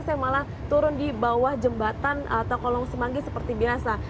saya malah turun di bawah jembatan atau kolong semanggi seperti biasa